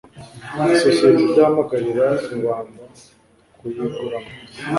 isosiyete idahamagarira rubanda kuyiguramo